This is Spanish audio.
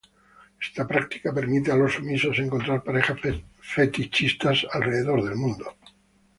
Esta práctica permite a los sumisos encontrar parejas fetichistas alrededor del mundo.